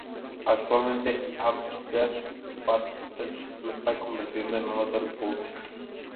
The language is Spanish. Actualmente, Hampstead Partners lo está convirtiendo en un hotel boutique.